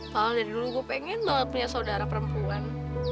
kalau dari dulu gue pengen banget punya saudara perempuan